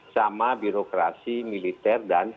sama birokrasi militer dan